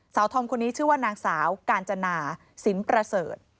ทอมคนนี้ชื่อว่านางสาวกาญจนาสินประเสริฐ